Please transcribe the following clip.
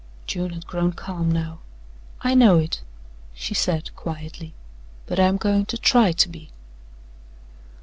June had grown calm now. "I know it," she said quietly, "but I'm goin' to try to be."